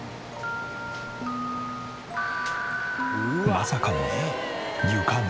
まさかの床寝。